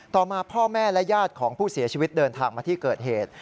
ต่อมาพ่อแม่และญาติของผู้เสียชีวิตเดินทางมาที่เกิดเหตุ